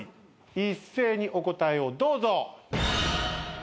一斉にお答えをどうぞ。